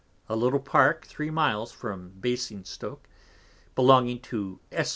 A little Park, three Miles from Basing Stoke, belonging to Esq.